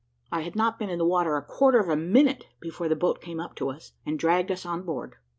I had not been in the water a quarter of a minute before the boat came up to us, and dragged us on board.